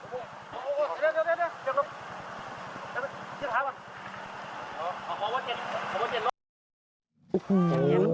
โอ้โหโอ้โห